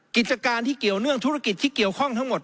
กิจการที่เกี่ยวเนื่องธุรกิจที่เกี่ยวข้องทั้งหมด